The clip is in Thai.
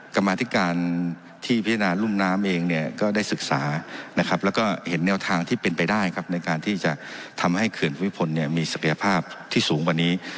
กรรมาธิการที่พิจารณารุ่มน้ำเองเนี่ยก็ได้ศึกษานะครับแล้วก็เห็นแนวทางที่เป็นไปได้ครับในการที่จะทำให้เขื่อนภูมิพลเนี่ยมีศักยภาพที่สูงกว่านี้